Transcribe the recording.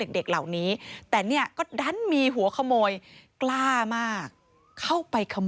ใช่แล้วเขาก็บอกกล่าว